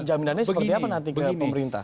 jaminannya seperti apa nanti ke pemerintah